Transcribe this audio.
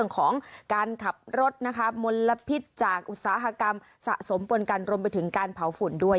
ของการขับรถนะคะมลพิษจากอุตสาหกรรมสะสมปนกันรวมไปถึงการเผาฝุ่นด้วย